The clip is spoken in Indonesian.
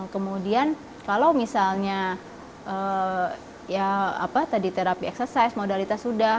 kemudian kalau misalnya ya apa tadi terapi eksersis modalitas sudah